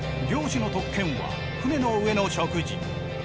漁師の特権は船の上の食事。